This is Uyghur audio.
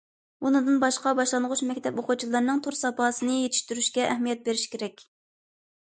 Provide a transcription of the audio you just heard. بۇنىڭدىن باشقا، باشلانغۇچ مەكتەپ ئوقۇغۇچىلىرىنىڭ تور ساپاسىنى يېتىشتۈرۈشكە ئەھمىيەت بېرىش كېرەك.